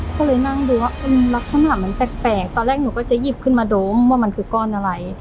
ก็เลยนั่งดูว่าลักษณะข้างหลังมันแปลกตอนแรกหนูก็จะหยิบขึ้นมาโดมว่ามันคือก้อนอะไร